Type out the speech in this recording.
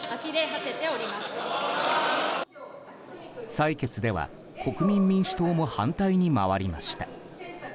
採決では、国民民主党も反対に回りました。